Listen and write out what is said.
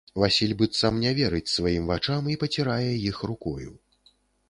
Васіль быццам не верыць сваім вачам і пацірае іх рукою.